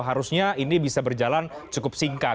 harusnya ini bisa berjalan cukup singkat